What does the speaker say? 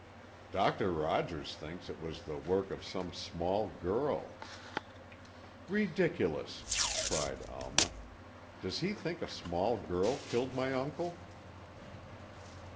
"Doctor Rogers thinks it was the work of some small girl——" "Ridiculous!" cried Alma. "Does he think a small girl killed my uncle?"